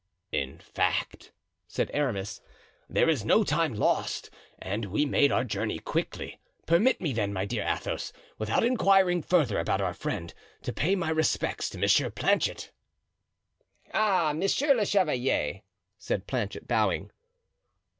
"In fact," said Aramis, "there is no time lost and we made our journey quickly. Permit me, then, my dear Athos, without inquiring further about our friend, to pay my respects to M. Planchet." "Ah, monsieur le chevalier," said Planchet, bowing.